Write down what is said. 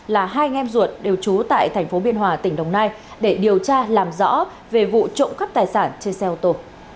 là hai anh em ruột đều trú tại thành phố biên hòa tỉnh đồng nai để điều tra làm rõ về vụ trộm cắp tài sản trên xe ô tô